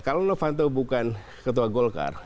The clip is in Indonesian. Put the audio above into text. kalau novanto bukan ketua golkar